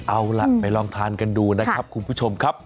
เอาล่ะไปลองทานกันดูนะครับคุณผู้ชมครับ